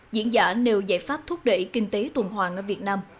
diễn giả nêu giải pháp thúc đẩy kinh tế tuần hoàng ở việt nam